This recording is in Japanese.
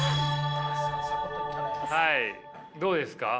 はいどうですか？